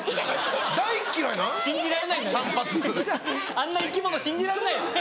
あんな生き物信じられないよね。